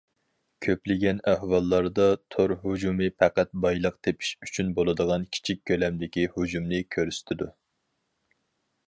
كۆپلىگەن ئەھۋاللاردا تور ھۇجۇمى پەقەت بايلىق تېپىش ئۈچۈن بولىدىغان كىچىك كۆلەمدىكى ھۇجۇمنى كۆرسىتىدۇ.